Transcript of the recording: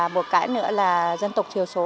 một cái nữa là dân tộc thiểu số